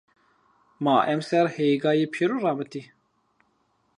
Ma emser hegayi pêru ramıti.